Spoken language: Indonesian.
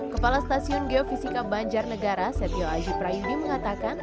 kepala stasiun geofisika banjar negara setio aji praindi mengatakan